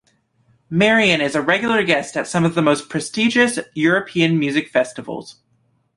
Marian is a regular guest at some of the most prestigious European music festivals.